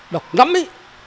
độc lắm ý